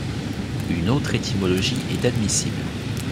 Une autre étymologie est admissible.